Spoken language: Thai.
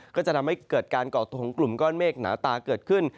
ก็จะทำให้เกิดการก่อตัวของกลุ่มก้อนเมฆหนาตาเกิดขึ้น